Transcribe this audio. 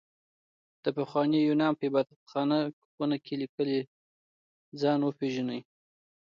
د پخواني يونان په عبادت خونه کې ليکلي ځان وپېژنئ.